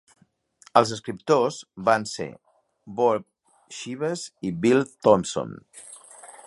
Els escriptors van ser Bob Shives i Bill Thompson.